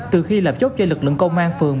từ khi lập chốt cho lực lượng công an phường